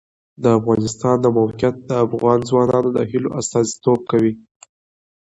د افغانستان د موقعیت د افغان ځوانانو د هیلو استازیتوب کوي.